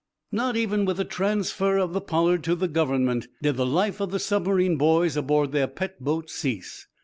Not even with the transfer of the "Pollard" to the Government did the life of the submarine boys aboard their pet boat cease.